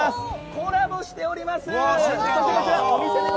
コラボしております。